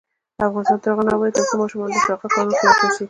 افغانستان تر هغو نه ابادیږي، ترڅو ماشومان له شاقه کارونو خلاص نشي.